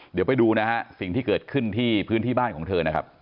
เดี๋ยวไปดูสิ่งที่เกิดขึ้นที่พื้นที่บ้านของเธอ